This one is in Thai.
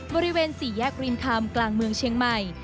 บริเวณสี่แยกรินคำกลางเมืองเชียงใหม่